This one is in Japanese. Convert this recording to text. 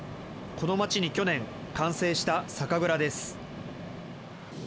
この町に去年、完成した酒蔵です。